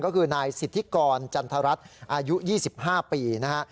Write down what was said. ก็คือนายสิทธิกรจันทรัฐอายุ๒๕ปีนะฮะ